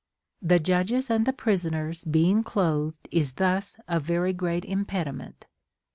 The judges and the prisoners being clotlied is thus a very great impediment.